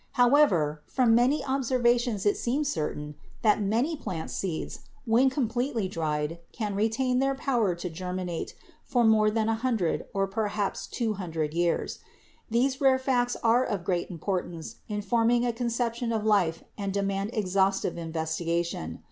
However, from many PHYSIOLOGICAL IDEA OF LIFE 35 observations it seems certain that many plant seeds, when completely dried, can retain their power to germinate for more than a hundred or perhaps two hundred years. These rare facts are of great importance in forming a con ception of life and demand exhaustive investigation.